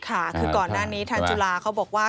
ค่ะคือก่อนหน้านี้ทางจุฬาเขาบอกว่า